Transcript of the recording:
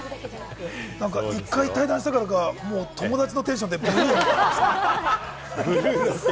１回対談したら、もう友達のテンションで、「ブルーノ」って。